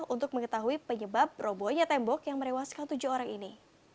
untuk mengetahui penyebab robohnya tembok yang merewaskan tujuh orang ini